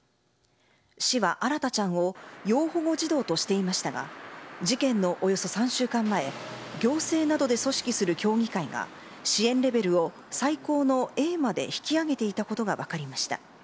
市は新大ちゃんを要保護児童としていましたが事件のおよそ３週間前行政などで組織する協議会が支援レベルを最高のＡに引き上げていたことが分かりました。